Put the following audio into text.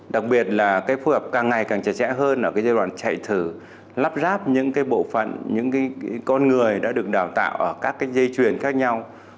đặc biệt là phù hợp càng ngày càng chặt chẽ hơn ở cái giai đoạn chạy thử lắp ráp những bộ phận những con người đã được đào tạo ở các dây chuyền khác nhau